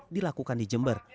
dilakukan di jember